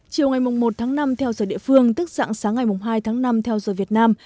chiều ngày một tháng năm theo giờ địa phương tức dạng sáng ngày hai tháng năm theo giờ việt nam